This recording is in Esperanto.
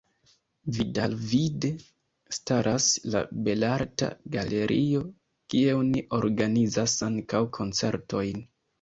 Vidalvide staras la Belarta Galerio, kie oni organizas ankaŭ koncertojn.